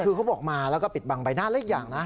คือเขาบอกมาแล้วก็ปิดบังใบหน้าเล็กอย่างนะ